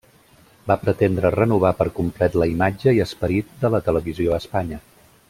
Va pretendre renovar per complet la imatge i esperit de la televisió a Espanya.